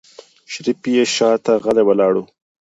شريف يې شاته غلی ولاړ و.